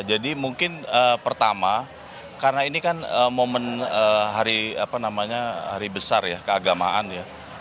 jadi mungkin pertama karena ini kan momen hari besar ya keagamaan ya